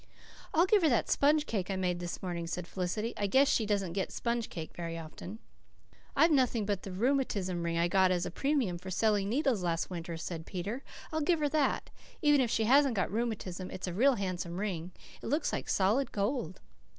"I'll give her that sponge cake I made this morning," said Felicity. "I guess she doesn't get sponge cake very often." "I've nothing but the rheumatism ring I got as a premium for selling needles last winter," said Peter. "I'll give her that. Even if she hasn't got rheumatism it's a real handsome ring. It looks like solid gold."